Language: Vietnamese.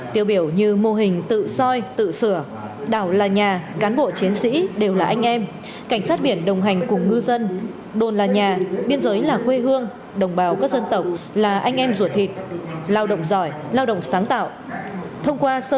tiêu biểu như mô hình tự soi tự sửa đảo là nhà cán bộ chiến sĩ đều là anh em cảnh sát biển đồng hành cùng ngư dân đồn là nhà biên giới là quê hương đồng bào các dân tộc là anh em ruột thịt lao động giỏi lao động sáng tạo